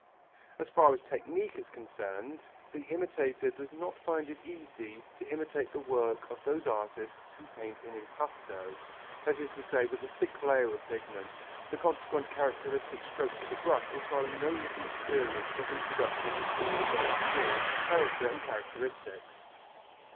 As far as technique is concerned, the imitator does not find it easy to imitate the work of those artists who paint in impasto, that is to say with a thick layer of pigment, the consequent characteristic strokes of the brush requiring no little experience for reproduction in all their force, character and characteristics.